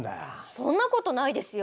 そんなことないですよ。